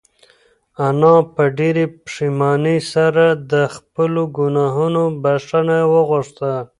انا په ډېرې پښېمانۍ سره د خپلو گناهونو بښنه وغوښته.